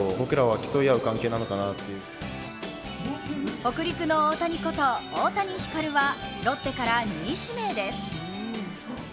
北陸の大谷こと、大谷輝龍はロッテから２位指名です。